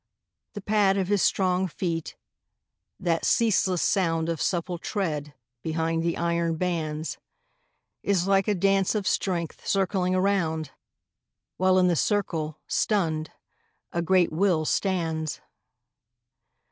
The pad of his strong feet, that ceaseless sound Of supple tread behind the iron bands, Is like a dance of strength circling around, While in the circle, stunned, a great will stands.